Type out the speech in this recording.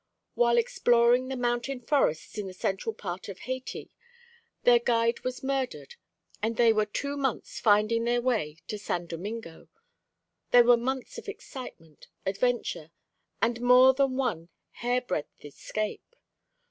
While exploring the mountain forests in the central part of Hayti, their guide was murdered, and they were two months finding their way to San Domingo. They were months of excitement, adventure, and more than one hair breadth escape.